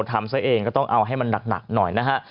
ทำซะเองก็ต้องเอาให้มันหนักหน่อยนะฮะ